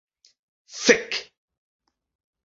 Fek!